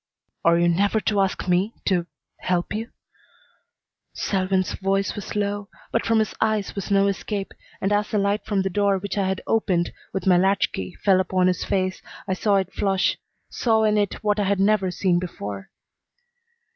"Are you never to ask me to help you?" Selwyn's voice was low, but from his eyes was no escape, and as the light from the door which I had opened with my latch key fell upon his face I saw it flush saw in it what I had never seen before.